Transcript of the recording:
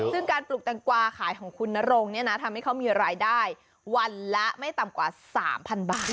ซึ่งการปลูกแตงกวาขายของคุณนรงเนี่ยนะทำให้เขามีรายได้วันละไม่ต่ำกว่า๓๐๐๐บาท